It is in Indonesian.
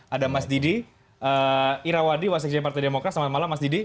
ada mas didi ira wadi wakil sekjen partai demokrat selamat malam mas didi